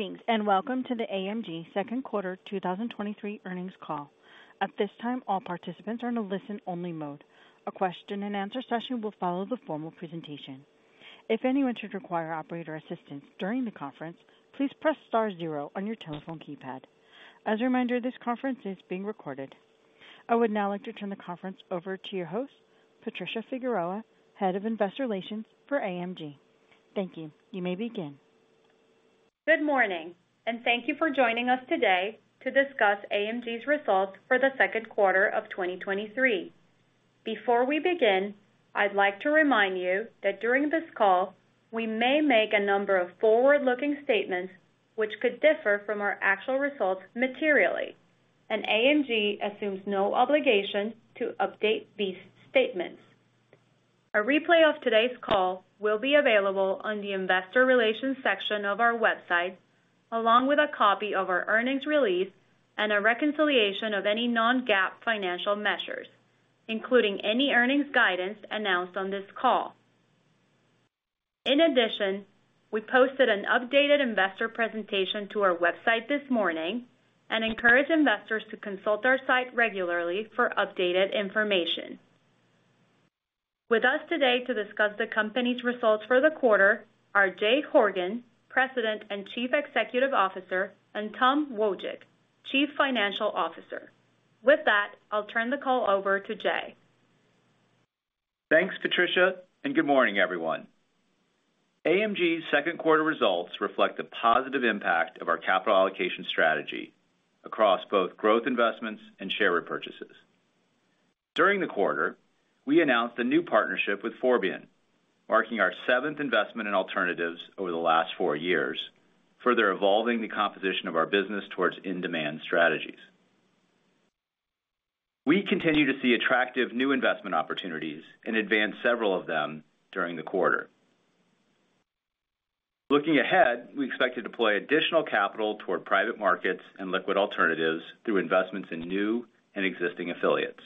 Greetings, welcome to the AMG second quarter 2023 earnings call. At this time, all participants are in a listen-only mode. A question and answer session will follow the formal presentation. If anyone should require operator assistance during the conference, please press star zero on your telephone keypad. As a reminder, this conference is being recorded. I would now like to turn the conference over to your host, Patricia Figueroa, Head of Investor Relations for AMG. Thank you. You may begin. Good morning, thank you for joining us today to discuss AMG's results for the second quarter of 2023. Before we begin, I'd like to remind you that during this call, we may make a number of forward-looking statements which could differ from our actual results materially, and AMG assumes no obligation to update these statements. A replay of today's call will be available on the investor relations section of our website, along with a copy of our earnings release and a reconciliation of any non-GAAP financial measures, including any earnings guidance announced on this call. In addition, we posted an updated investor presentation to our website this morning and encourage investors to consult our site regularly for updated information. With us today to discuss the company's results for the quarter are Jay Horgen, President and Chief Executive Officer, and Tom Wojcik, Chief Financial Officer. With that, I'll turn the call over to Jay. Thanks, Patricia. Good morning, everyone. AMG's second quarter results reflect the positive impact of our capital allocation strategy across both growth investments and share repurchases. During the quarter, we announced a new partnership with Forbion, marking our seventh investment in alternatives over the last four years, further evolving the composition of our business towards in-demand strategies. We continue to see attractive new investment opportunities and advanced several of them during the quarter. Looking ahead, we expect to deploy additional capital toward private markets and liquid alternatives through investments in new and existing affiliates.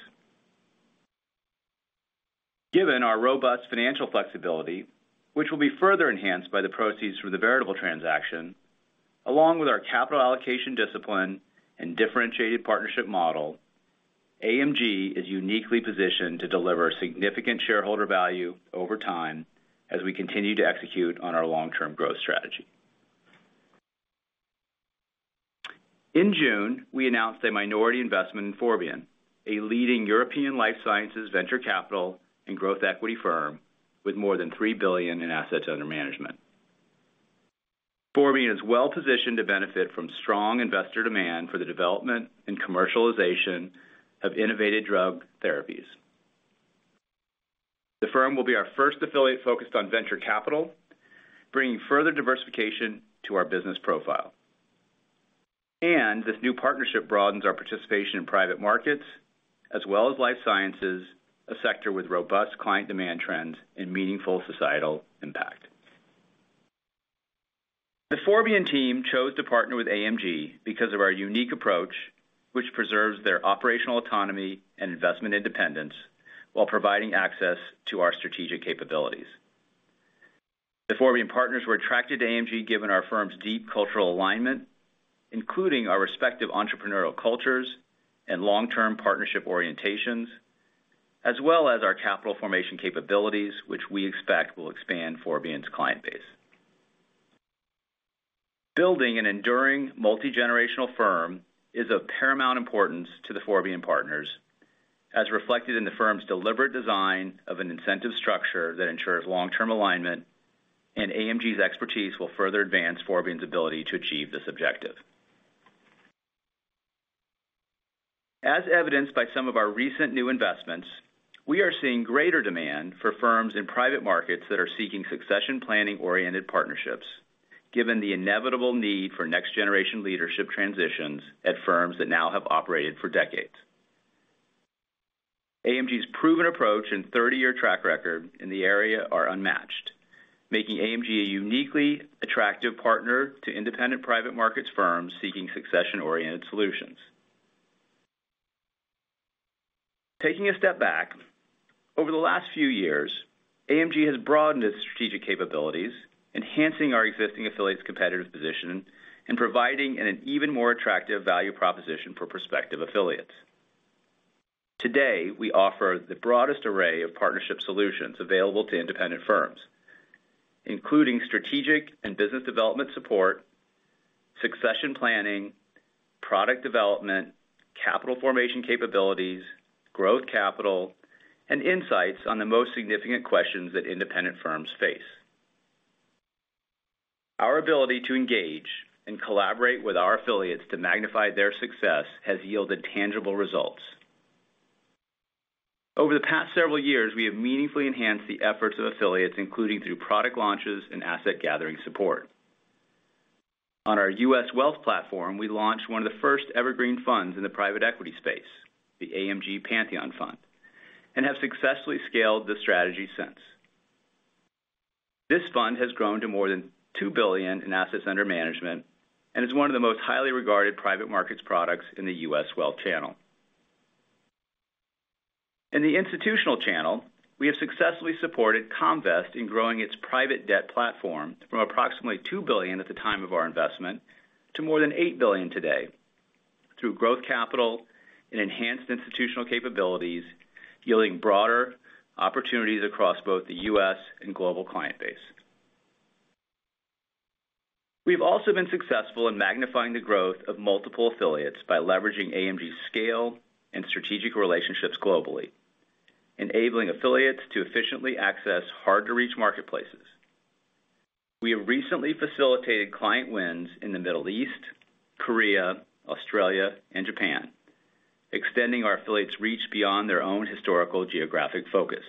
Given our robust financial flexibility, which will be further enhanced by the proceeds from the Veritable transaction, along with our capital allocation discipline and differentiated partnership model, AMG is uniquely positioned to deliver significant shareholder value over time as we continue to execute on our long-term growth strategy. In June, we announced a minority investment in Forbion, a leading European life sciences venture capital and growth equity firm with more than $3 billion in assets under management. Forbion is well-positioned to benefit from strong investor demand for the development and commercialization of innovative drug therapies. The firm will be our first affiliate focused on venture capital, bringing further diversification to our business profile. This new partnership broadens our participation in private markets as well as life sciences, a sector with robust client demand trends and meaningful societal impact. The Forbion team chose to partner with AMG because of our unique approach, which preserves their operational autonomy and investment independence while providing access to our strategic capabilities. The Forbion partners were attracted to AMG, given our firm's deep cultural alignment, including our respective entrepreneurial cultures and long-term partnership orientations, as well as our capital formation capabilities, which we expect will expand Forbion's client base. Building an enduring multigenerational firm is of paramount importance to the Forbion partners, as reflected in the firm's deliberate design of an incentive structure that ensures long-term alignment, and AMG's expertise will further advance Forbion's ability to achieve this objective. As evidenced by some of our recent new investments, we are seeing greater demand for firms in private markets that are seeking succession planning-oriented partnerships, given the inevitable need for next-generation leadership transitions at firms that now have operated for decades. AMG's proven approach and 30-year track record in the area are unmatched, making AMG a uniquely attractive partner to independent private markets firms seeking succession-oriented solutions. Taking a step back, over the last few years, AMG has broadened its strategic capabilities, enhancing our existing affiliates' competitive position and providing an even more attractive value proposition for prospective affiliates. Today, we offer the broadest array of partnership solutions available to independent firms, including strategic and business development support, succession planning, product development, capital formation capabilities, growth capital, and insights on the most significant questions that independent firms face. Our ability to engage and collaborate with our affiliates to magnify their success has yielded tangible results. Over the past several years, we have meaningfully enhanced the efforts of affiliates, including through product launches and asset gathering support. On our U.S. wealth platform, we launched one of the first evergreen funds in the private equity space, the AMG Pantheon Fund, and have successfully scaled the strategy since. This fund has grown to more than $2 billion in assets under management and is one of the most highly regarded private markets products in the U.S. wealth channel. In the institutional channel, we have successfully supported Comvest in growing its private debt platform from approximately $2 billion at the time of our investment, to more than $8 billion today, through growth capital and enhanced institutional capabilities, yielding broader opportunities across both the U.S. and global client base. We've also been successful in magnifying the growth of multiple affiliates by leveraging AMG's scale and strategic relationships globally, enabling affiliates to efficiently access hard-to-reach marketplaces. We have recently facilitated client wins in the Middle East, Korea, Australia, and Japan, extending our affiliates reach beyond their own historical geographic focus.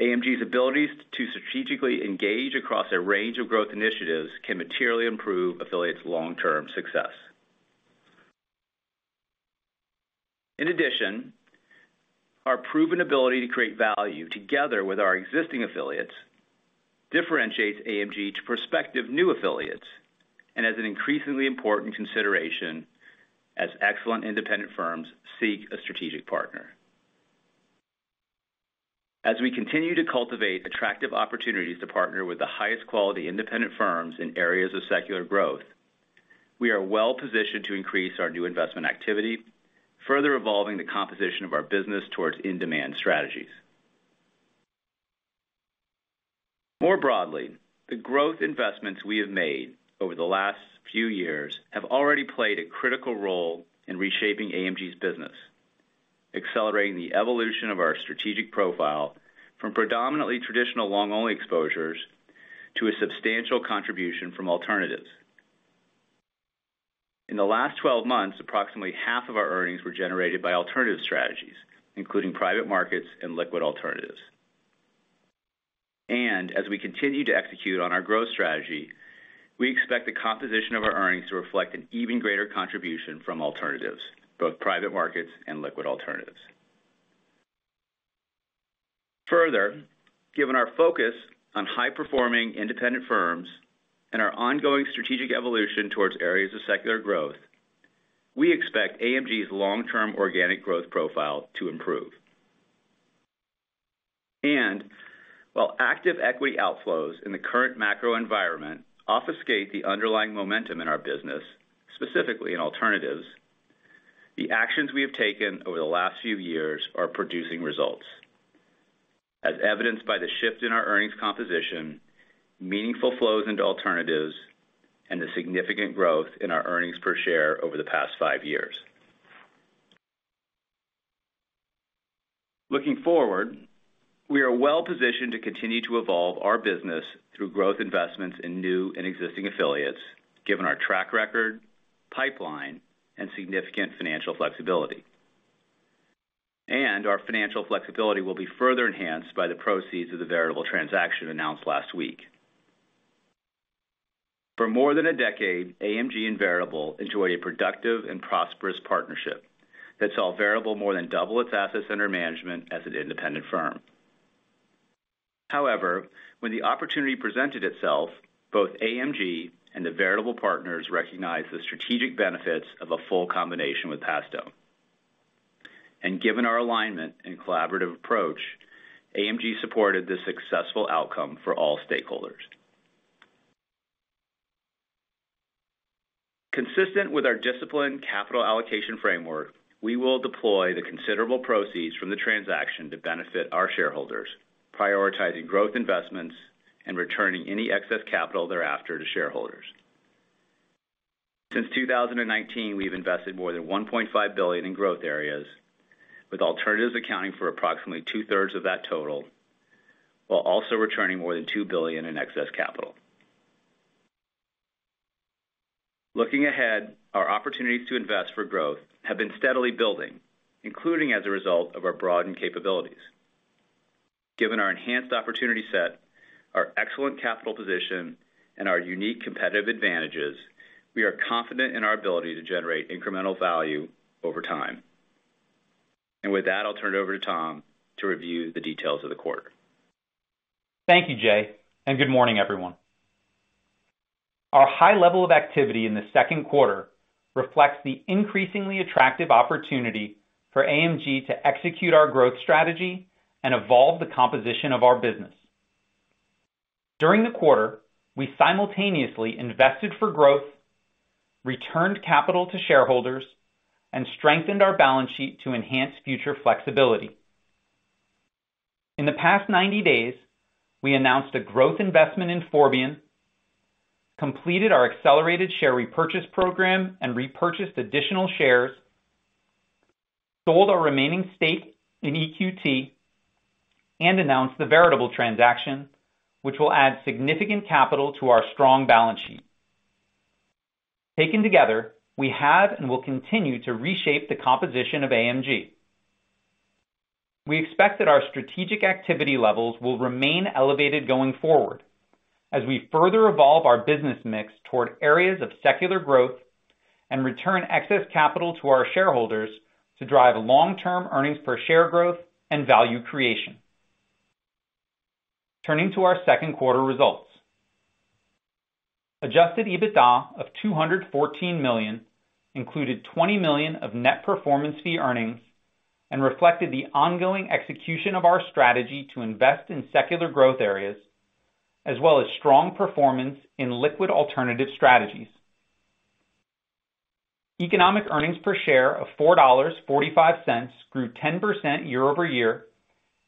AMG's abilities to strategically engage across a range of growth initiatives can materially improve affiliates' long-term success. In addition, our proven ability to create value together with our existing affiliates, differentiates AMG to prospective new affiliates and as an increasingly important consideration as excellent independent firms seek a strategic partner. As we continue to cultivate attractive opportunities to partner with the highest quality independent firms in areas of secular growth, we are well-positioned to increase our new investment activity, further evolving the composition of our business towards in-demand strategies. More broadly, the growth investments we have made over the last few years have already played a critical role in reshaping AMG's business, accelerating the evolution of our strategic profile from predominantly traditional long-only exposures to a substantial contribution from alternatives. In the last 12 months, approximately half of our earnings were generated by alternative strategies, including private markets and liquid alternatives. As we continue to execute on our growth strategy, we expect the composition of our earnings to reflect an even greater contribution from alternatives, both private markets and liquid alternatives. Further, given our focus on high-performing independent firms and our ongoing strategic evolution towards areas of secular growth, we expect AMG's long-term organic growth profile to improve. While active equity outflows in the current macro environment obfuscate the underlying momentum in our business, specifically in alternatives, the actions we have taken over the last few years are producing results, as evidenced by the shift in our earnings composition, meaningful flows into alternatives, and the significant growth in our earnings per share over the past five years. Looking forward, we are well-positioned to continue to evolve our business through growth investments in new and existing affiliates, given our track record, pipeline, and significant financial flexibility. Our financial flexibility will be further enhanced by the proceeds of the Veritable transaction announced last week. For more than a decade, AMG and Veritable enjoyed a productive and prosperous partnership that saw Veritable more than double its assets under management as an independent firm. However, when the opportunity presented itself, both AMG and the Veritable partners recognized the strategic benefits of a full combination with Pathstone. Given our alignment and collaborative approach, AMG supported this successful outcome for all stakeholders. Consistent with our disciplined capital allocation framework, we will deploy the considerable proceeds from the transaction to benefit our shareholders, prioritizing growth investments and returning any excess capital thereafter to shareholders. Since 2019, we've invested more than $1.5 billion in growth areas, with alternatives accounting for approximately 2/3 of that total, while also returning more than $2 billion in excess capital. Looking ahead, our opportunities to invest for growth have been steadily building, including as a result of our broadened capabilities. Given our enhanced opportunity set, our excellent capital position, and our unique competitive advantages, we are confident in our ability to generate incremental value over time. With that, I'll turn it over to Tom to review the details of the quarter. Thank you, Jay. Good morning, everyone. Our high level of activity in the second quarter reflects the increasingly attractive opportunity for AMG to execute our growth strategy and evolve the composition of our business. During the quarter, we simultaneously invested for growth, returned capital to shareholders, and strengthened our balance sheet to enhance future flexibility. In the past 90 days, we announced a growth investment in Forbion, completed our accelerated share repurchase program and repurchased additional shares, sold our remaining stake in EQT, and announced the Veritable transaction, which will add significant capital to our strong balance sheet. Taken together, we have and will continue to reshape the composition of AMG. We expect that our strategic activity levels will remain elevated going forward as we further evolve our business mix toward areas of secular growth and return excess capital to our shareholders to drive long-term earnings per share growth and value creation. Turning to our second quarter results. Adjusted EBITDA of $214 million included $20 million of net performance fee earnings and reflected the ongoing execution of our strategy to invest in secular growth areas, as well as strong performance in liquid alternative strategies. Economic earnings per share of $4.45 grew 10% year-over-year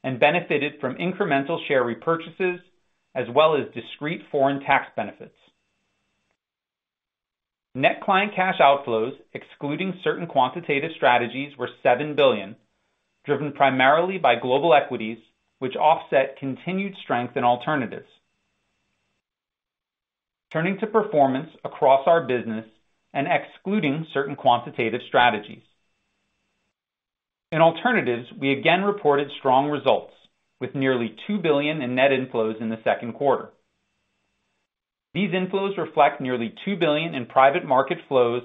and benefited from incremental share repurchases as well as discrete foreign tax benefits. Net client cash outflows, excluding certain quantitative strategies, were $7 billion, driven primarily by global equities, which offset continued strength in alternatives. Turning to performance across our business and excluding certain quantitative strategies. In alternatives, we again reported strong results, with nearly $2 billion in net inflows in the second quarter. These inflows reflect nearly $2 billion in private market flows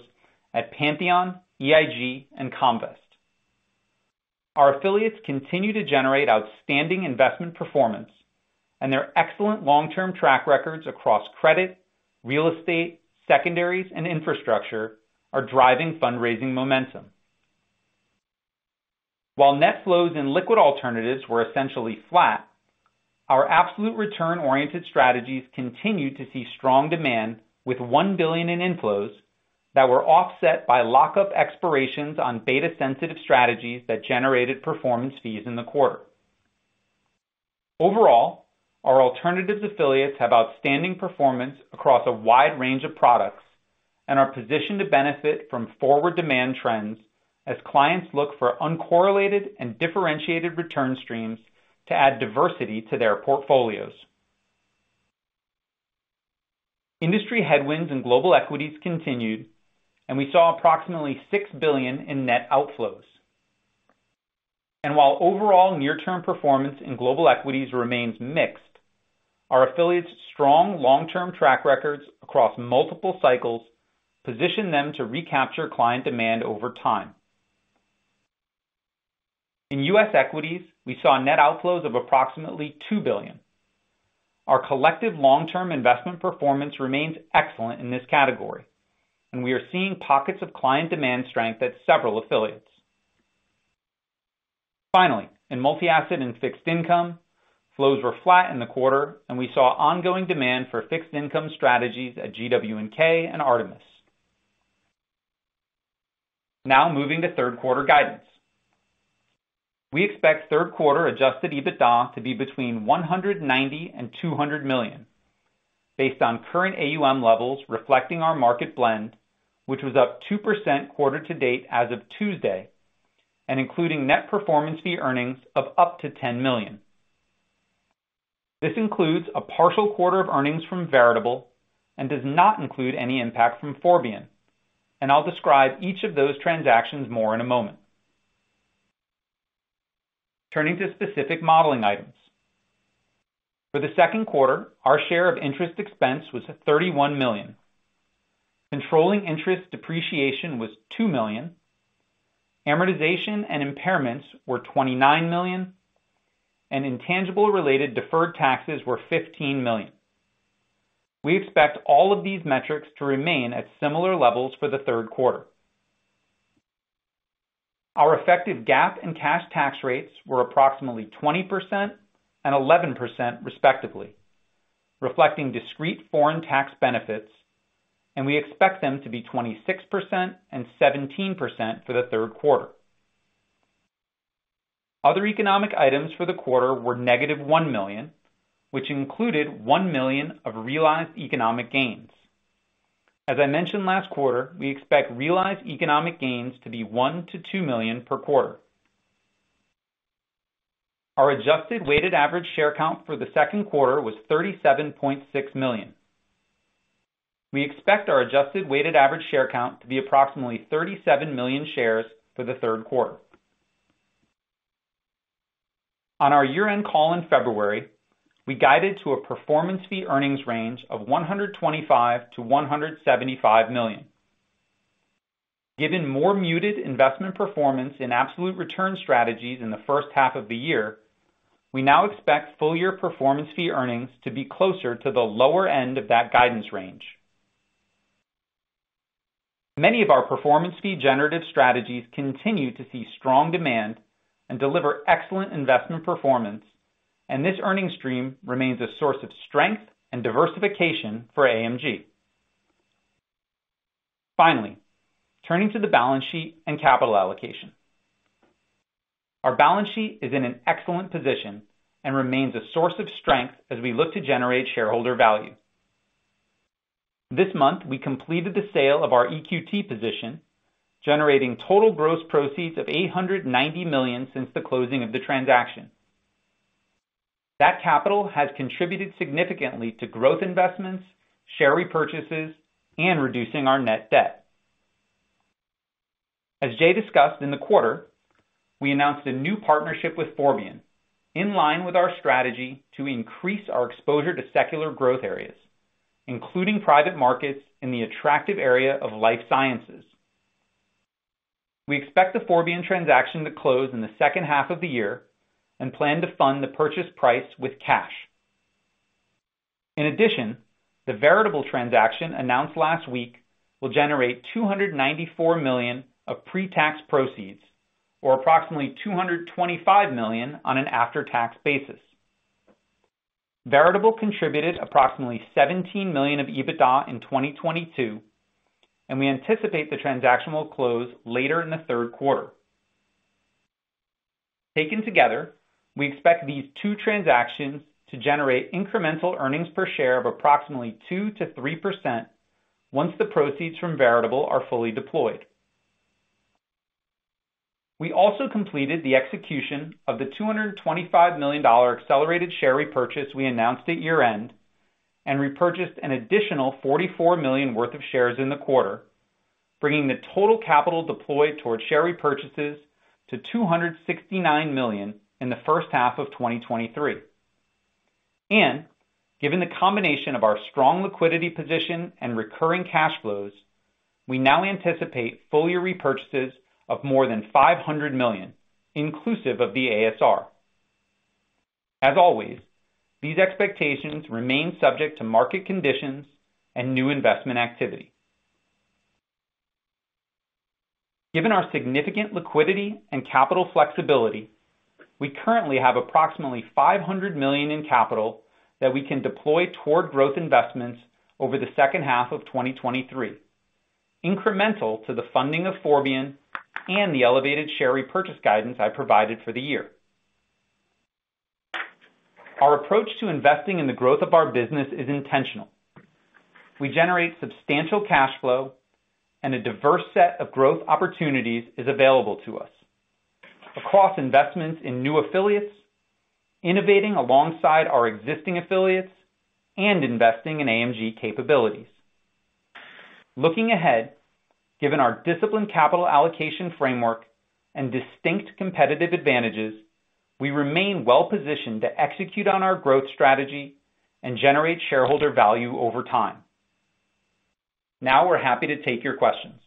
at Pantheon, EIG, and Comvest. Our affiliates continue to generate outstanding investment performance, and their excellent long-term track records across credit, real estate, secondaries, and infrastructure are driving fundraising momentum. While net flows in liquid alternatives were essentially flat, our absolute return-oriented strategies continued to see strong demand, with $1 billion in inflows that were offset by lockup expirations on beta-sensitive strategies that generated performance fees in the quarter. Overall, our alternatives affiliates have outstanding performance across a wide range of products and are positioned to benefit from forward demand trends as clients look for uncorrelated and differentiated return streams to add diversity to their portfolios. Industry headwinds and global equities continued, and we saw approximately $6 billion in net outflows. While overall near-term performance in global equities remains mixed, our affiliates' strong long-term track records across multiple cycles position them to recapture client demand over time. In U.S. equities, we saw net outflows of approximately $2 billion. Our collective long-term investment performance remains excellent in this category, and we are seeing pockets of client demand strength at several affiliates. Finally, in multi-asset and fixed income, flows were flat in the quarter, and we saw ongoing demand for fixed income strategies at GW&K and Artemis. Moving to third quarter guidance. We expect third quarter Adjusted EBITDA to be between $190 million and $200 million, based on current AUM levels reflecting our market blend, which was up 2% quarter-to-date as of Tuesday, and including net performance fee earnings of up to $10 million. This includes a partial quarter of earnings from Veritable and does not include any impact from Forbion. I'll describe each of those transactions more in a moment. Turning to specific modeling items. For the second quarter, our share of interest expense was $31 million. Controlling interest depreciation was $2 million, amortization and impairments were $29 million, and intangible-related deferred taxes were $15 million. We expect all of these metrics to remain at similar levels for the third quarter. Our effective GAAP and cash tax rates were approximately 20% and 11%, respectively, reflecting discrete foreign tax benefits. We expect them to be 26% and 17% for the third quarter. Other economic items for the quarter were negative $1 million, which included $1 million of realized economic gains. As I mentioned last quarter, we expect realized economic gains to be $1 million-$2 million per quarter. Our adjusted weighted average share count for the second quarter was $37.6 million. We expect our adjusted weighted average share count to be approximately $37 million shares for the third quarter. On our year-end call in February, we guided to a performance fee earnings range of $125 million-$175 million. Given more muted investment performance in absolute return strategies in the first half of the year, we now expect full-year performance fee earnings to be closer to the lower end of that guidance range. Many of our performance fee generative strategies continue to see strong demand and deliver excellent investment performance. This earning stream remains a source of strength and diversification for AMG. Finally, turning to the balance sheet and capital allocation. Our balance sheet is in an excellent position and remains a source of strength as we look to generate shareholder value. This month, we completed the sale of our EQT position, generating total gross proceeds of $890 million since the closing of the transaction. That capital has contributed significantly to growth investments, share repurchases, and reducing our net debt. As Jay discussed in the quarter, we announced a new partnership with Forbion, in line with our strategy to increase our exposure to secular growth areas, including private markets in the attractive area of life sciences. We expect the Forbion transaction to close in the second half of the year and plan to fund the purchase price with cash. In addition, the Veritable transaction announced last week will generate $294 million of pre-tax proceeds, or approximately $225 million on an after-tax basis. Veritable contributed approximately $17 million of EBITDA in 2022, and we anticipate the transaction will close later in the third quarter. Taken together, we expect these two transactions to generate incremental earnings per share of approximately 2%-3% once the proceeds from Veritable are fully deployed. We also completed the execution of the $225 million accelerated share repurchase we announced at year-end, and repurchased an additional $44 million worth of shares in the quarter, bringing the total capital deployed towards share repurchases to $269 million in the first half of 2023. Given the combination of our strong liquidity position and recurring cash flows, we now anticipate full-year repurchases of more than $500 million, inclusive of the ASR. As always, these expectations remain subject to market conditions and new investment activity. Given our significant liquidity and capital flexibility, we currently have approximately $500 million in capital that we can deploy toward growth investments over the second half of 2023, incremental to the funding of Forbion and the elevated share repurchase guidance I provided for the year. Our approach to investing in the growth of our business is intentional. We generate substantial cash flow, and a diverse set of growth opportunities is available to us. Across investments in new affiliates, innovating alongside our existing affiliates, and investing in AMG capabilities. Looking ahead, given our disciplined capital allocation framework and distinct competitive advantages, we remain well-positioned to execute on our growth strategy and generate shareholder value over time. Now we're happy to take your questions.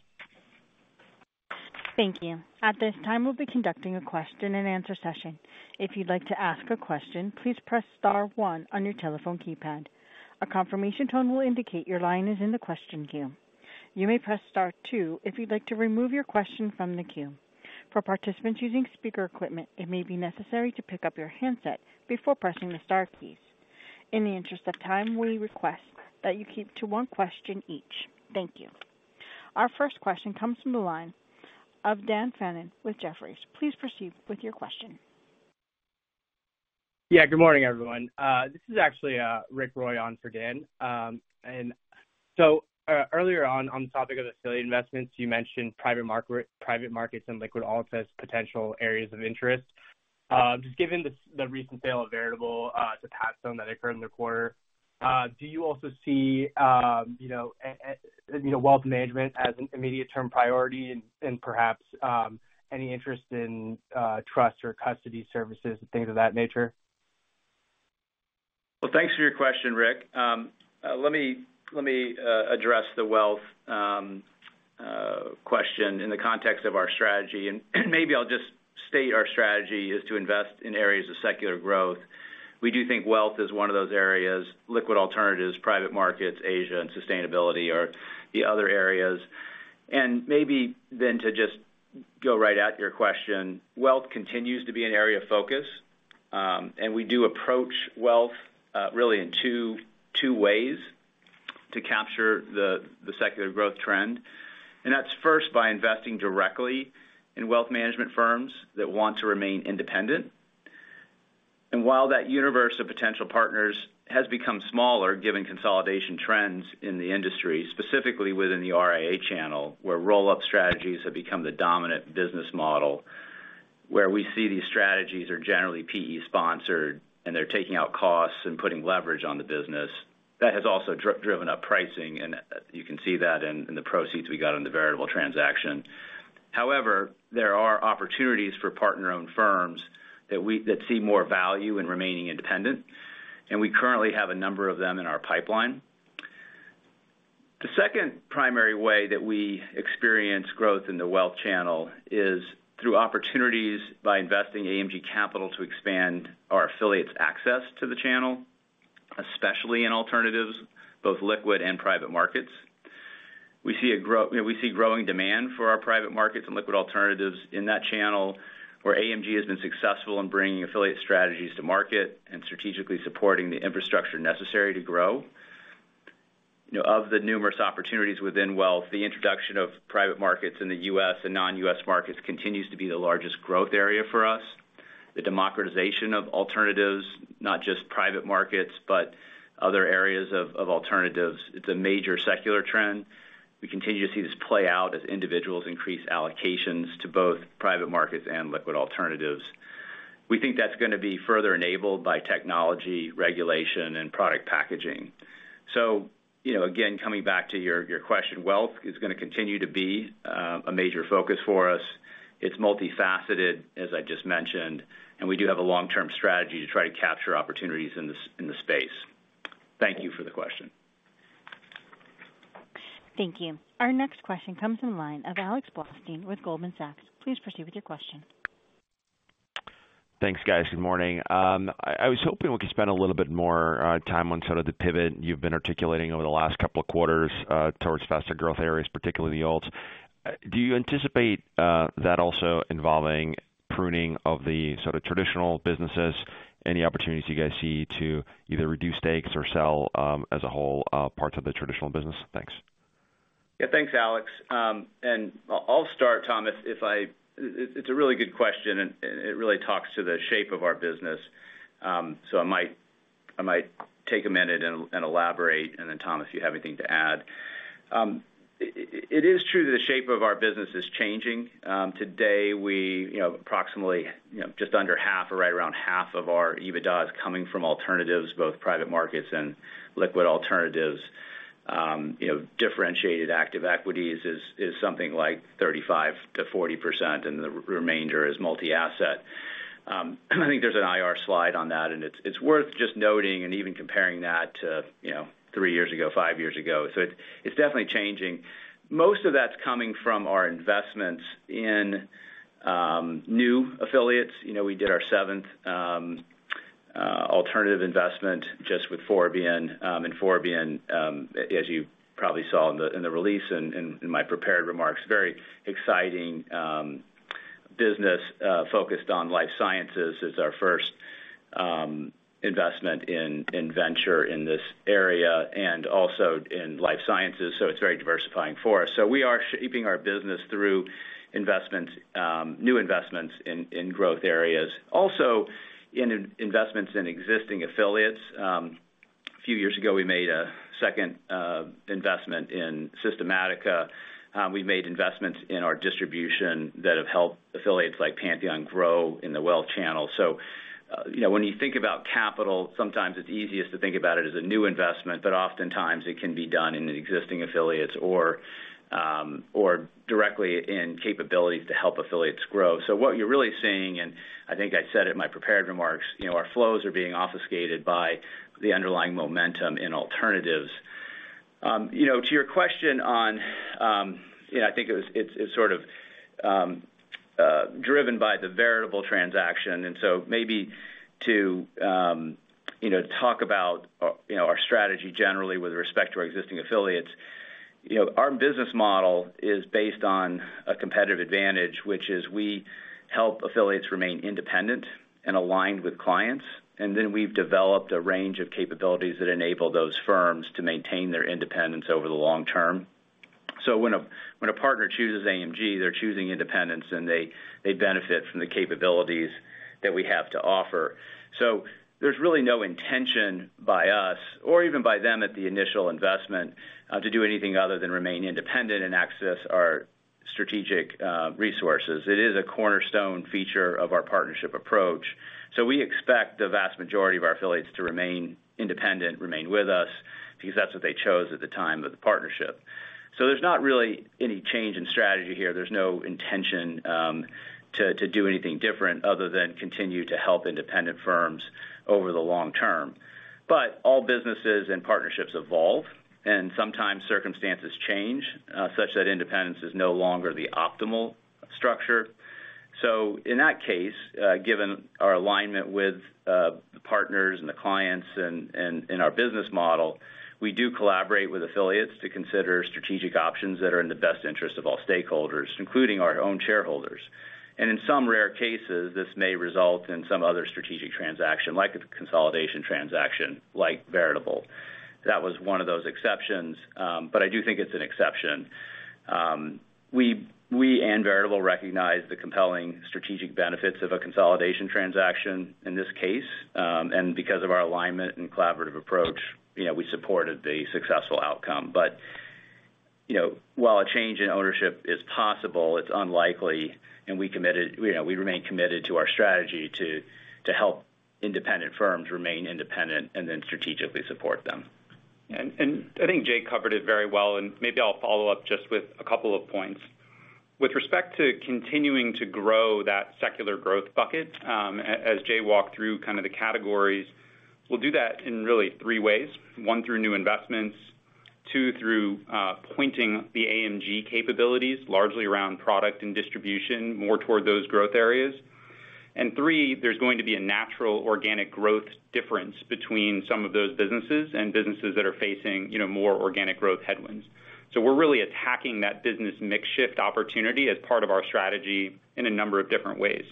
Thank you. At this time, we'll be conducting a question-and-answer session. If you'd like to ask a question, please press star one on your telephone keypad. A confirmation tone will indicate your line is in the question queue. You may press star two if you'd like to remove your question from the queue. For participants using speaker equipment, it may be necessary to pick up your handset before pressing the star keys. In the interest of time, we request that you keep to one question each. Thank you. Our first question comes from the line of Dan Fannon with Jefferies. Please proceed with your question. Good morning, everyone. This is actually Rit Roy on for Dan. Earlier on the topic of affiliate investments, you mentioned private markets and liquid alt as potential areas of interest. Just given the recent sale of Veritable to Pathstone that occurred in the quarter, do you also see, you know, wealth management as an immediate-term priority and, perhaps, any interest in trust or custody services and things of that nature? Well, thanks for your question, Rick. Let me address the wealth question in the context of our strategy. Maybe I'll just state our strategy is to invest in areas of secular growth. We do think wealth is one of those areas. Liquid alternatives, private markets, Asia, and sustainability are the other areas. Maybe then to just go right at your question, wealth continues to be an area of focus, and we do approach wealth really in two ways to capture the secular growth trend. That's first by investing directly in wealth management firms that want to remain independent. While that universe of potential partners has become smaller, given consolidation trends in the industry, specifically within the RIA channel, where roll-up strategies have become the dominant business model, where we see these strategies are generally PE sponsored, and they're taking out costs and putting leverage on the business, that has also driven up pricing, and you can see that in the proceeds we got in the Veritable transaction. However, there are opportunities for partner-owned firms that see more value in remaining independent, and we currently have a number of them in our pipeline. The second primary way that we experience growth in the wealth channel is through opportunities by investing AMG capital to expand our affiliates' access to the channel, especially in alternatives, both liquid and private markets. We see growing demand for our private markets and liquid alternatives in that channel, where AMG has been successful in bringing affiliate strategies to market and strategically supporting the infrastructure necessary to grow. You know, of the numerous opportunities within wealth, the introduction of private markets in the U.S. and non-U.S. markets continues to be the largest growth area for us. The democratization of alternatives, not just private markets, but other areas of alternatives, it's a major secular trend. We continue to see this play out as individuals increase allocations to both private markets and liquid alternatives. We think that's gonna be further enabled by technology, regulation, and product packaging. You know, again, coming back to your question, wealth is gonna continue to be a major focus for us. It's multifaceted, as I just mentioned, and we do have a long-term strategy to try to capture opportunities in the space. Thank you for the question. Thank you. Our next question comes in line of Alex Blostein with Goldman Sachs. Please proceed with your question. Thanks, guys. Good morning. I was hoping we could spend a little bit more time on sort of the pivot you've been articulating over the last couple of quarters, towards faster growth areas, particularly the alts. Do you anticipate that also involving pruning of the sort of traditional businesses? Any opportunities you guys see to either reduce stakes or sell, as a whole, parts of the traditional business? Thanks. Yeah, thanks, Alex. I'll start, Thomas. It's a really good question, and it really talks to the shape of our business. I might take a minute and elaborate, Thomas, if you have anything to add. It is true that the shape of our business is changing. Today, we, you know, approximately, you know, just under 1/2 or right around 1/2 of our EBITDA is coming from alternatives, both private markets and liquid alternatives. You know, differentiated active equities is something like 35%-40%, the remainder is multi-asset. I think there's an IR slide on that, it's worth just noting and even comparing that to, you know, three years ago, five years ago. It's definitely changing. Most of that's coming from our investments in new affiliates. You know, we did our seventh alternative investment just with Forbion. Forbion, as you probably saw in the release and in my prepared remarks, very exciting business focused on life sciences. It's our first investment in venture in this area and also in life sciences, so it's very diversifying for us. We are shaping our business through investments, new investments in growth areas, also in investments in existing affiliates. A few years ago, we made a second investment in Systematica. We made investments in our distribution that have helped affiliates like Pantheon grow in the wealth channel. you know, when you think about capital, sometimes it's easiest to think about it as a new investment, but oftentimes it can be done in existing affiliates or directly in capabilities to help affiliates grow. What you're really seeing, and I think I said it in my prepared remarks, you know, our flows are being obfuscated by the underlying momentum in alternatives. you know, to your question on, you know, I think it's sort of driven by the Veritable transaction, maybe to, you know, talk about, you know, our strategy generally with respect to our existing affiliates. You know, our business model is based on a competitive advantage, which is we help affiliates remain independent and aligned with clients, and then we've developed a range of capabilities that enable those firms to maintain their independence over the long term. When a partner chooses AMG, they're choosing independence, and they benefit from the capabilities that we have to offer. There's really no intention by us or even by them at the initial investment to do anything other than remain independent and access our strategic resources. It is a cornerstone feature of our partnership approach. We expect the vast majority of our affiliates to remain independent, remain with us, because that's what they chose at the time of the partnership. There's not really any change in strategy here. There's no intention to do anything different other than continue to help independent firms over the long term. All businesses and partnerships evolve, and sometimes circumstances change, such that independence is no longer the optimal structure. In that case, given our alignment with the partners and the clients and our business model, we do collaborate with affiliates to consider strategic options that are in the best interest of all stakeholders, including our own shareholders. In some rare cases, this may result in some other strategic transaction, like a consolidation transaction, like Veritable. That was one of those exceptions, I do think it's an exception. We and Veritable recognize the compelling strategic benefits of a consolidation transaction in this case, because of our alignment and collaborative approach, you know, we supported the successful outcome. You know, while a change in ownership is possible, it's unlikely, and we committed... You know, we remain committed to our strategy to help independent firms remain independent and then strategically support them. I think Jay covered it very well, and maybe I'll follow up just with a couple of points. With respect to continuing to grow that secular growth bucket, as Jay walked through kind of the categories, we'll do that in really three ways. One, through new investments. Two, through pointing the AMG capabilities, largely around product and distribution, more toward those growth areas. Three, there's going to be a natural organic growth difference between some of those businesses and businesses that are facing, you know, more organic growth headwinds. We're really attacking that business mix shift opportunity as part of our strategy in a number of different ways.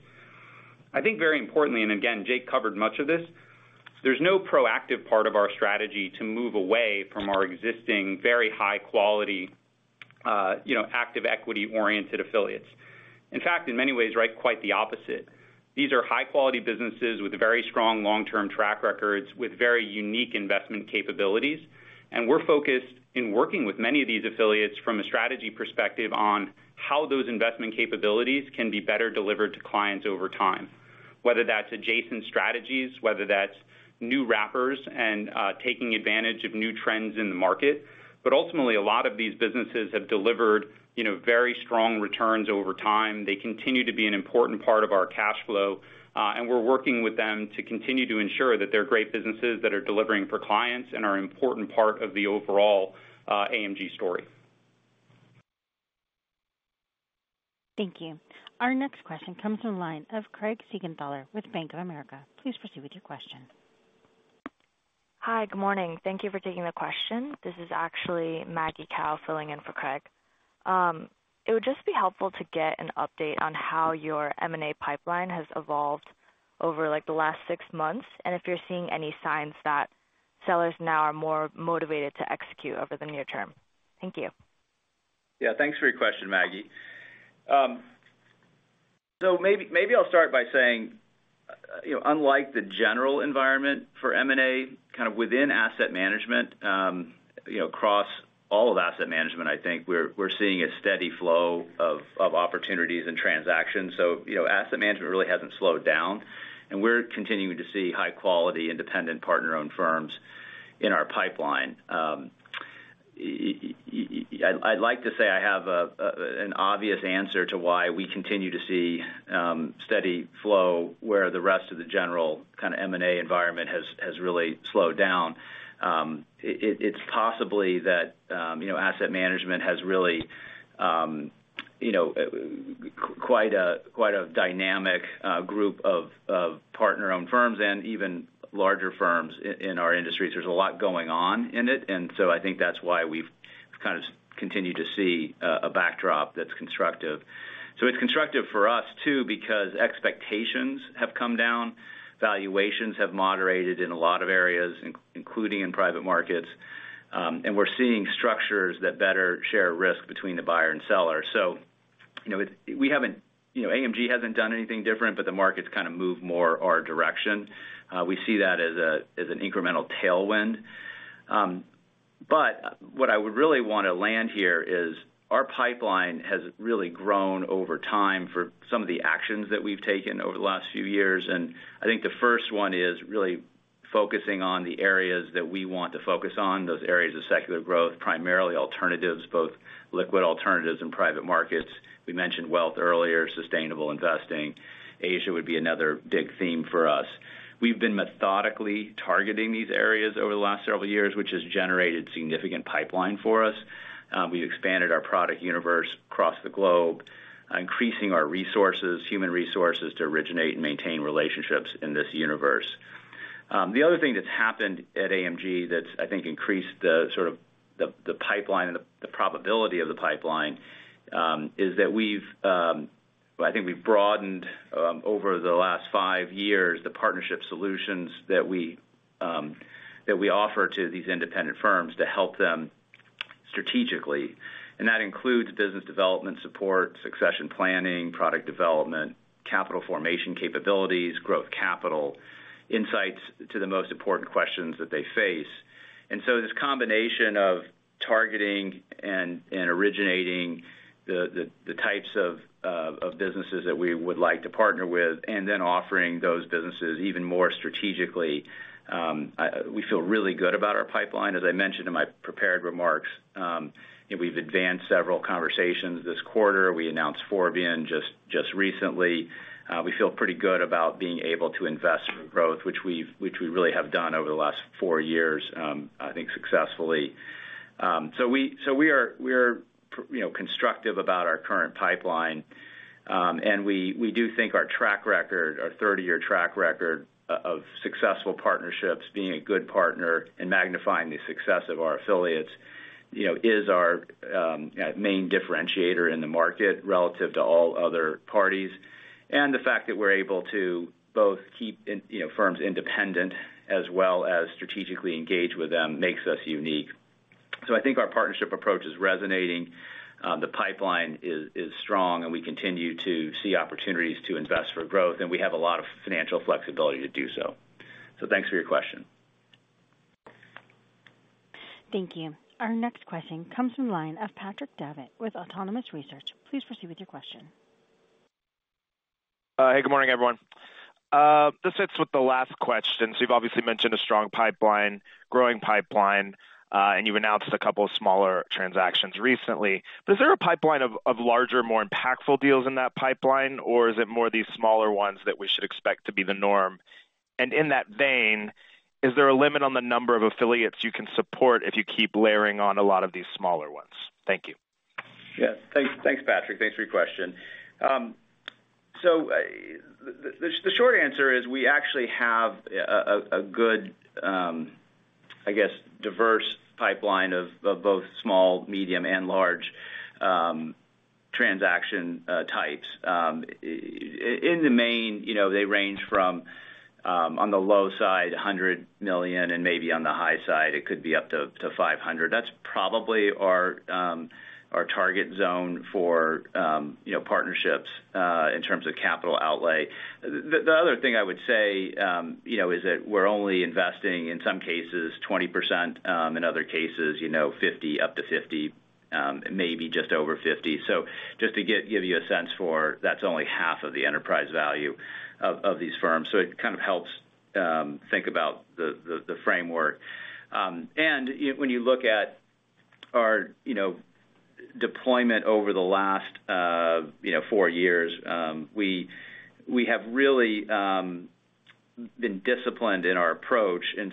I think very importantly, again, Jay covered much of this, there's no proactive part of our strategy to move away from our existing, very high-quality, you know, active, equity-oriented affiliates. In fact, in many ways, right, quite the opposite. These are high-quality businesses with very strong long-term track records, with very unique investment capabilities, and we're focused in working with many of these affiliates from a strategy perspective on how those investment capabilities can be better delivered to clients over time, whether that's adjacent strategies, whether that's new wrappers, and taking advantage of new trends in the market. Ultimately, a lot of these businesses have delivered, you know, very strong returns over time. They continue to be an important part of our cash flow, and we're working with them to continue to ensure that they're great businesses that are delivering for clients and are an important part of the overall AMG story. Thank you. Our next question comes from the line of Craig Siegenthaler with Bank of America. Please proceed with your question. Hi, good morning. Thank you for taking the question. This is actually Maggie Cao filling in for Craig. It would just be helpful to get an update on how your M&A pipeline has evolved over, like, the last six months, and if you're seeing any signs that sellers now are more motivated to execute over the near term. Thank you. Yeah, thanks for your question, Maggie. Maybe, maybe I'll start by saying, you know, unlike the general environment for M&A, kind of within asset management, you know, across all of asset management, I think we're seeing a steady flow of opportunities and transactions. You know, asset management really hasn't slowed down, and we're continuing to see high-quality, independent, partner-owned firms in our pipeline. I'd like to say I have an obvious answer to why we continue to see steady flow, where the rest of the general kind of M&A environment has really slowed down. It's possibly that, you know, asset management has really, you know, quite a, quite a dynamic group of partner-owned firms and even larger firms in our industry. There's a lot going on in it, I think that's why we've kind of continued to see a backdrop that's constructive. It's constructive for us, too, because expectations have come down, valuations have moderated in a lot of areas, including in private markets, and we're seeing structures that better share risk between the buyer and seller. You know, we haven't, you know, AMG hasn't done anything different, but the market's kind of moved more our direction. We see that as an incremental tailwind. What I would really want to land here is, our pipeline has really grown over time for some of the actions that we've taken over the last few years. I think the first one is really focusing on the areas that we want to focus on, those areas of secular growth, primarily alternatives, both liquid alternatives and private markets. We mentioned wealth earlier, sustainable investing. Asia would be another big theme for us. We've been methodically targeting these areas over the last several years, which has generated a significant pipeline for us. We've expanded our product universe across the globe, increasing our resources, human resources, to originate and maintain relationships in this universe. The other thing that's happened at AMG that's, I think, increased the, sort of the pipeline and the probability of the pipeline, is that we've, I think we've broadened, over the last five years, the partnership solutions that we, that we offer to these independent firms to help them strategically. That includes business development support, succession planning, product development, capital formation capabilities, growth capital, insights to the most important questions that they face. This combination of targeting and originating the types of businesses that we would like to partner with, and then offering those businesses even more strategically, we feel really good about our pipeline. As I mentioned in my prepared remarks, we've advanced several conversations this quarter. We announced Forbion just recently. We feel pretty good about being able to invest for growth, which we really have done over the last four years, I think, successfully. So we are, you know, constructive about our current pipeline. We do think our track record, our 30-year track record of successful partnerships, being a good partner and magnifying the success of our affiliates, you know, is our main differentiator in the market relative to all other parties. The fact that we're able to both keep in, you know, firms independent as well as strategically engage with them, makes us unique. I think our partnership approach is resonating. The pipeline is strong, and we continue to see opportunities to invest for growth, and we have a lot of financial flexibility to do so. Thanks for your question. Thank you. Our next question comes from the line of Patrick Davitt with Autonomous Research. Please proceed with your question. Hey, good morning, everyone. This fits with the last question. You've obviously mentioned a strong pipeline, growing pipeline, and you've announced a couple of smaller transactions recently. Is there a pipeline of larger, more impactful deals in that pipeline? Or is it more these smaller ones that we should expect to be the norm? In that vein, is there a limit on the number of affiliates you can support if you keep layering on a lot of these smaller ones? Thank you. Yeah, thanks. Thanks, Patrick. Thanks for your question. The short answer is we actually have a good, I guess, diverse pipeline of both small, medium, and large transaction types. In the main, you know, they range from on the low side, $100 million, and maybe on the high side, it could be up to $500 million. That's probably our target zone for, you know, partnerships in terms of capital outlay. The other thing I would say, you know, is that we're only investing, in some cases, 20%, in other cases, you know, 50%, up to 50%, maybe just over 50%. Just to give you a sense for. That's only half of the enterprise value of these firms. It kind of helps think about the framework. When you look at our, you know, deployment over the last, you know, four years, we have really been disciplined in our approach, and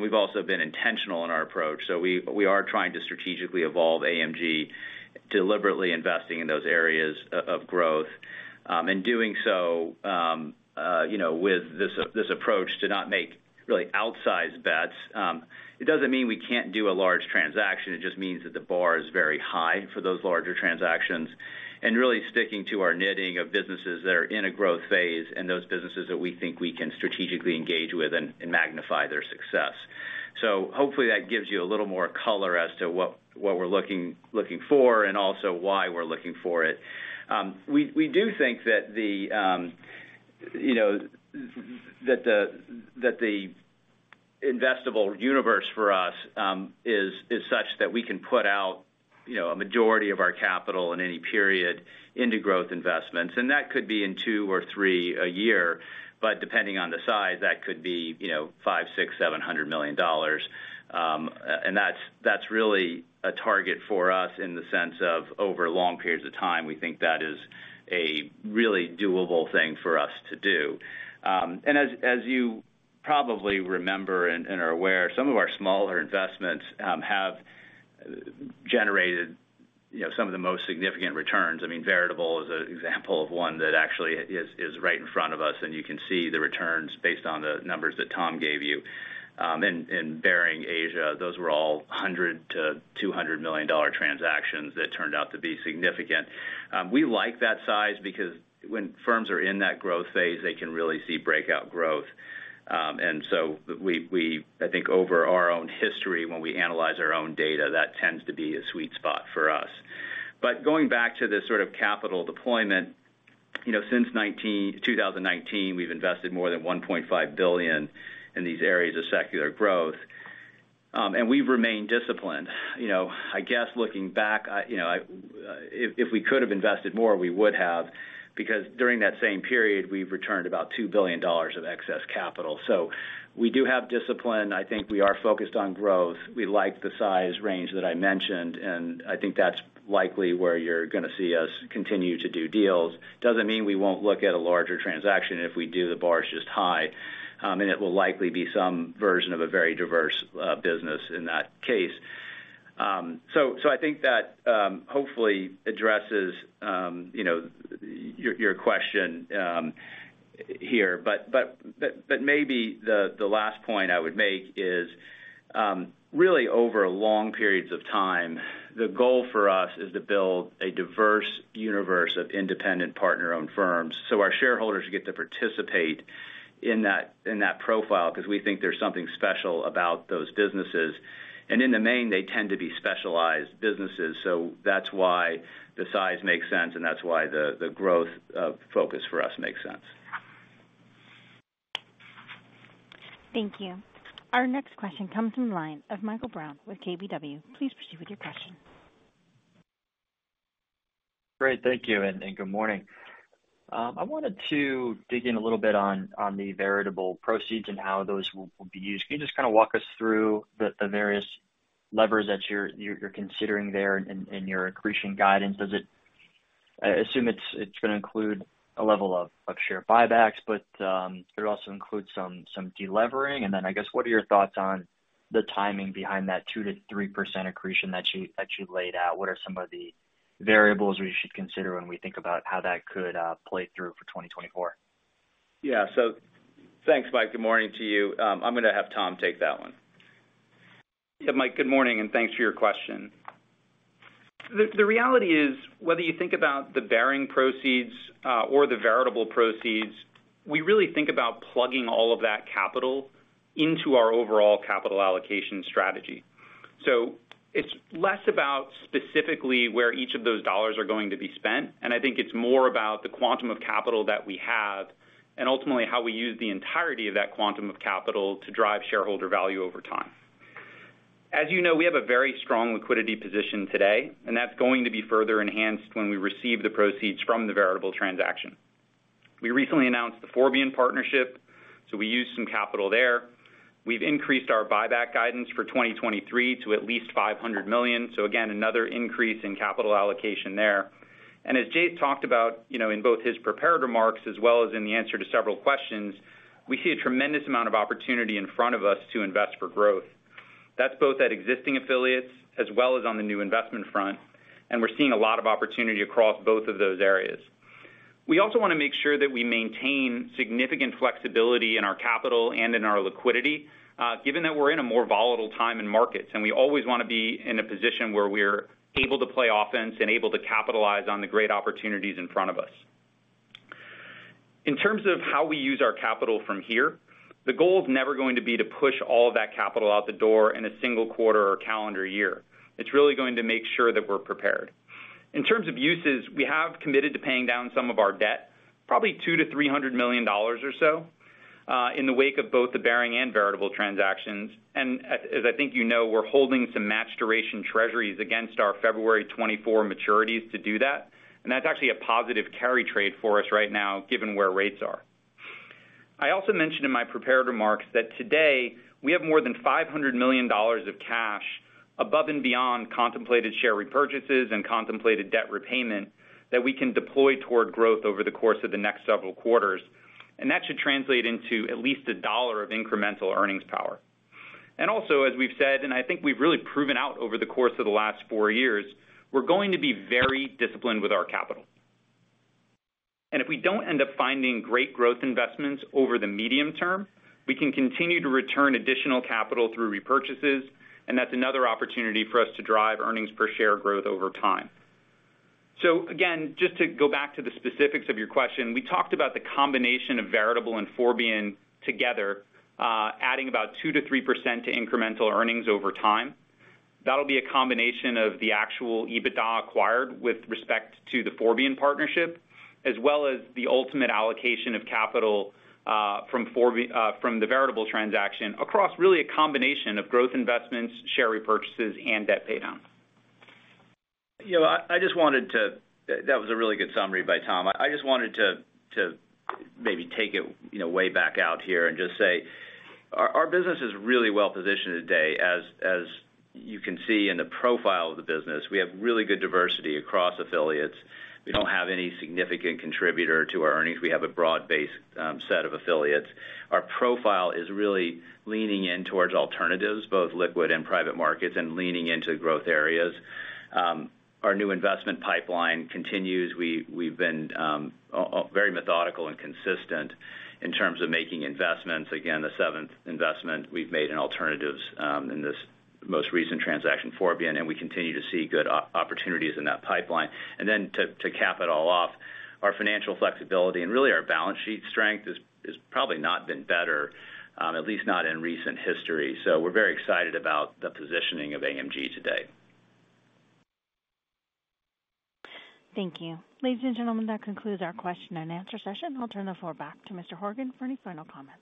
we've also been intentional in our approach. We are trying to strategically evolve AMG, deliberately investing in those areas of growth, and doing so, you know, with this approach to not make really outsized bets. It doesn't mean we can't do a large transaction. It just means that the bar is very high for those larger transactions, and really sticking to our knitting of businesses that are in a growth phase, and those businesses that we think we can strategically engage with and magnify their success. Hopefully, that gives you a little more color as to what we're looking for, and also why we're looking for it. We do think that the, you know, that the investable universe for us is such that we can put out, you know, a majority of our capital in any period into growth investments, and that could be in two or three a year. Depending on the size, that could be, you know, $500 million, $600 million, $700 million. And that's really a target for us in the sense of over long periods of time, we think that is a really doable thing for us to do. And as you probably remember and are aware, some of our smaller investments have generated, you know, some of the most significant returns. I mean, Veritable is an example of one that actually is right in front of us, and you can see the returns based on the numbers that Tom gave you. Baring Asia, those were all $100 million-$200 million transactions that turned out to be significant. We like that size because when firms are in that growth phase, they can really see breakout growth. We I think over our own history, when we analyze our own data, that tends to be a sweet spot for us. Going back to the sort of capital deployment, you know, since 2019, we've invested more than $1.5 billion in these areas of secular growth. We've remained disciplined. You know, I guess, looking back, I, you know, if we could have invested more, we would have, because during that same period, we've returned about $2 billion of excess capital. We do have discipline. I think we are focused on growth. We like the size range that I mentioned, and I think that's likely where you're gonna see us continue to do deals. Doesn't mean we won't look at a larger transaction. If we do, the bar is just high, and it will likely be some version of a very diverse business in that case. I think that hopefully addresses, you know, your question here. Maybe the last point I would make is, really, over long periods of time, the goal for us is to build a diverse universe of independent partner-owned firms, so our shareholders get to participate in that profile, because we think there's something special about those businesses. In the main, they tend to be specialized businesses, so that's why the size makes sense, and that's why the growth focus for us makes sense. Thank you. Our next question comes from the line of Michael Brown with KBW. Please proceed with your question. Great. Thank you, good morning. I wanted to dig in a little bit on the Veritable proceeds and how those will be used. Can you just kind of walk us through the various levers that you're considering there in your accretion guidance? I assume it's gonna include a level of share buybacks, but it would also include some deleveraging. I guess, what are your thoughts on the timing behind that 2%-3% accretion that you laid out? What are some of the variables we should consider when we think about how that could play through for 2024? Yeah. Thanks, Mike. Good morning to you. I'm gonna have Tom take that one. Yeah, Mike, good morning, and thanks for your question. The reality is, whether you think about the Baring proceeds, or the Veritable proceeds, we really think about plugging all of that capital into our overall capital allocation strategy. It's less about specifically where each of those dollars are going to be spent, and I think it's more about the quantum of capital that we have, and ultimately, how we use the entirety of that quantum of capital to drive shareholder value over time. As you know, we have a very strong liquidity position today, and that's going to be further enhanced when we receive the proceeds from the Veritable transaction. We recently announced the Forbion partnership, so we used some capital there. We've increased our buyback guidance for 2023 to at least $500 million. Again, another increase in capital allocation there. As Jay talked about, you know, in both his prepared remarks, as well as in the answer to several questions, we see a tremendous amount of opportunity in front of us to invest for growth. That's both at existing affiliates, as well as on the new investment front, and we're seeing a lot of opportunity across both of those areas. We also wanna make sure that we maintain significant flexibility in our capital and in our liquidity, given that we're in a more volatile time in markets, and we always wanna be in a position where we're able to play offense and able to capitalize on the great opportunities in front of us. In terms of how we use our capital from here, the goal is never going to be to push all of that capital out the door in a single quarter or calendar year. It's really going to make sure that we're prepared. In terms of uses, we have committed to paying down some of our debt, probably $200 million-$300 million or so, in the wake of both the Baring and Veritable transactions. As I think you know, we're holding some match duration Treasuries against our February 2024 maturities to do that, and that's actually a positive carry trade for us right now, given where rates are. I also mentioned in my prepared remarks that today, we have more than $500 million of cash above and beyond contemplated share repurchases and contemplated debt repayment that we can deploy toward growth over the course of the next several quarters, and that should translate into at least $1 of incremental earnings power. Also, as we've said, and I think we've really proven out over the course of the last four years, we're going to be very disciplined with our capital. If we don't end up finding great growth investments over the medium term, we can continue to return additional capital through repurchases, and that's another opportunity for us to drive earnings per share growth over time. Again, just to go back to the specifics of your question, we talked about the combination of Veritable and Forbion together, adding about 2%-3% to incremental earnings over time. That'll be a combination of the actual EBITDA acquired with respect to the Forbion partnership, as well as the ultimate allocation of capital, from the Veritable transaction, across really a combination of growth investments, share repurchases, and debt paydown. You know, I just wanted to. That was a really good summary by Tom. I just wanted to maybe take it, you know, way back out here and just say, our business is really well-positioned today. As you can see in the profile of the business, we have really good diversity across affiliates. We don't have any significant contributors to our earnings. We have a broad-based set of affiliates. Our profile is really leaning in towards alternatives, both liquid and private markets, and leaning into growth areas. Our new investment pipeline continues. We've been very methodical and consistent in terms of making investments. Again, the seventh investment we've made in alternatives in this most recent transaction, Forbion, and we continue to see good opportunities in that pipeline. To cap it all off, our financial flexibility and really, our balance sheet strength has probably not been better, at least not in recent history. We're very excited about the positioning of AMG today. Thank you. Ladies and gentlemen, that concludes our question and answer session. I'll turn the floor back to Mr. Horgen for any final comments.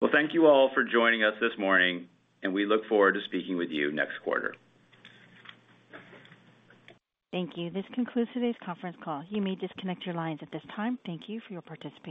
Well, thank you all for joining us this morning, and we look forward to speaking with you next quarter. Thank you. This concludes today's conference call. You may disconnect your lines at this time. Thank you for your participation.